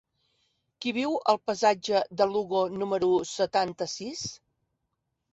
Qui viu al passatge de Lugo número setanta-sis?